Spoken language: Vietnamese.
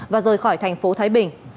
và rời khỏi thành phố thái bình